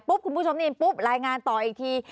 ปุ๊บคุณผู้ชมนี่ปุ๊บรายงานต่ออีกที